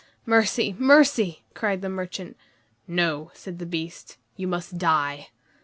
"Mercy! mercy!" cried the merchant. "No," said the Beast, "you must die!"